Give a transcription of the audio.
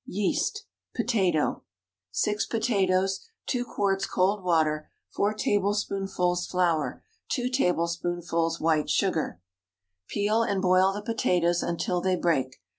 YEAST (Potato.) ✠ 6 potatoes. 2 quarts cold water. 4 tablespoonfuls flour. 2 tablespoonfuls white sugar. Peel and boil the potatoes until they break.